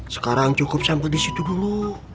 sekarang cukup sampai disitu dulu